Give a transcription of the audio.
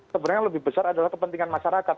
sebenarnya lebih besar adalah kepentingan masyarakat